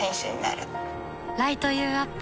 ライト・ユー・アップ